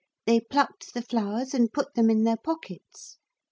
They plucked the flowers and put them in their pockets.